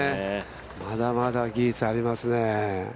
まだまだ技術ありますね。